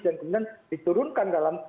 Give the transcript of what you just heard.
dan kemudian diturunkan dalam